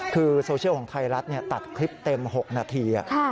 คือโซเชียลของไทยรัฐตัดคลิปเต็ม๖นาที